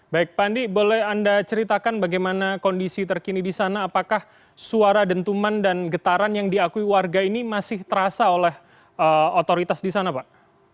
baik pak andi boleh anda ceritakan bagaimana kondisi terkini di sana apakah suara dentuman dan getaran yang diakui warga ini masih terasa oleh otoritas di sana pak